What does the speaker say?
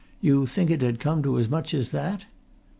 "You think it had come to as much as that?"